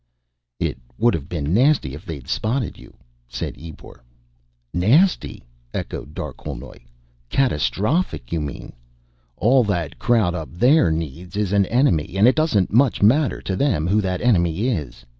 "It would have been nasty if they'd spotted you," said Ebor. "Nasty?" echoed Darquelnoy. "Catastrophic, you mean. All that crowd up there needs is an enemy, and it doesn't much matter to them who that enemy is.